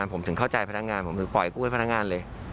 ผมถึงเข้าใจพนักงานผมถึงปล่อยกู้ให้พนักงานเลย